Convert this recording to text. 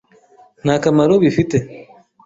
Nta kamaro bifite.